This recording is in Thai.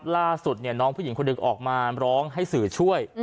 ล่าสุดเนี่ยน้องผู้หญิงคนออกมาร้องให้สื่อช่วย